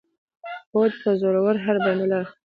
د هوډ په زور هره بنده لاره خلاصېدلای سي.